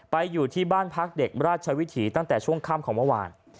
อยู่ที่บ้านพักเด็กราชวิถีตั้งแต่ช่วงค่ำของเมื่อวาน